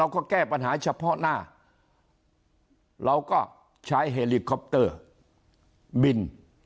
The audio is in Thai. ก็แก้ปัญหาเฉพาะหน้าเราก็ใช้เฮลิคอปเตอร์บิน